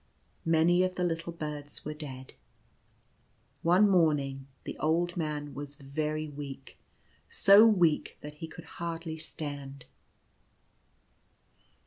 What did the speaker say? Many of the little birds were dead. One morning the old man was very weak — so weak that he could hardly stand.